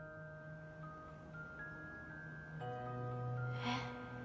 えっ？